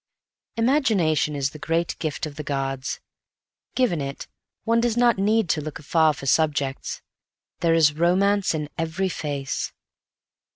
Imagination is the great gift of the gods. Given it, one does not need to look afar for subjects. There is romance in every face.